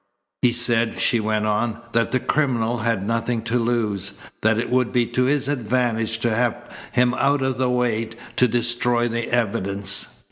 "He said," she went on, "that the criminal had nothing to lose. That it would be to his advantage to have him out of the way, to destroy that evidence."